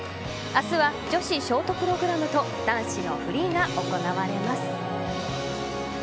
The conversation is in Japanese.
明日は女子ショートプログラムと男子のフリーが行われます。